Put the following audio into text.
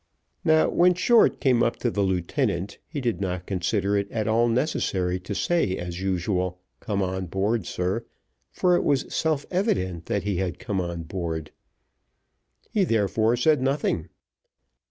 Now when Short came up to the lieutenant, he did not consider it at all necessary to say as usual, "Come on board, sir," for it was self evident that he had come on board. He therefore said nothing.